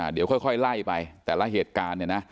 เดี๋ยวค่อยไล่ไปแต่ละเหตุการณ์เนี่ยนะ